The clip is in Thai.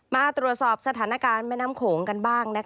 มาตรวจสอบสถานการณ์แม่น้ำโขงกันบ้าง